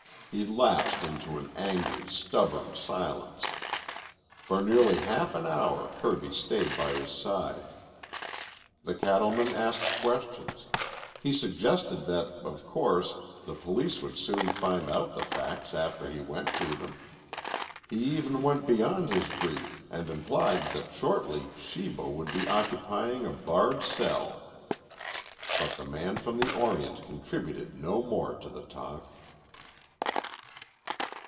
He lapsed into an angry, stubborn silence. For nearly half an hour Kirby stayed by his side. The cattleman asked questions. He suggested that, of course, the police would soon find out the facts after he went to them. He even went beyond his brief and implied that shortly Shibo would be occupying a barred cell. But the man from the Orient contributed no more to the talk.